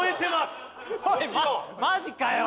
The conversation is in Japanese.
マジかよ！